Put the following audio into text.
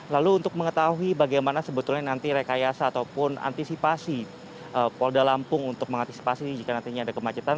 lalu untuk mengetahui bagaimana sebetulnya nanti rekayasa ataupun antisipasi polda lampung untuk mengantisipasi jika nantinya ada kemacetan